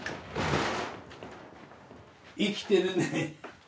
生きてるね。